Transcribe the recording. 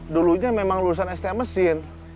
dulunya memang lulusan stm mesin